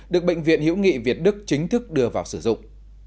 được bệnh viện hiễu nghị việt đức chính thức đưa vào sử dụng